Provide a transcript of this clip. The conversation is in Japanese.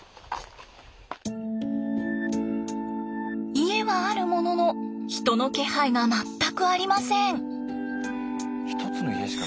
家はあるものの人の気配が全くありません。